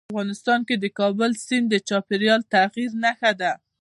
افغانستان کې د کابل سیند د چاپېریال د تغیر نښه ده.